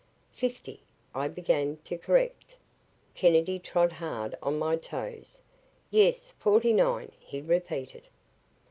"Fifty " I began to correct. Kennedy trod hard on my toes. "Yes, forty nine," he repeated.